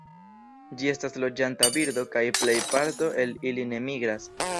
Ĝi estas loĝanta birdo kaj plej parto el ili ne migras.